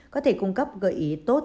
có thể cung cấp gợi ý tốt